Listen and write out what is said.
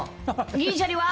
銀シャリは？